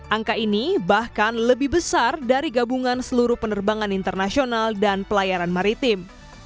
angka ini bahkan lebih besar dari gabungan seluruh penerbangan internasional dan pelayaran maritim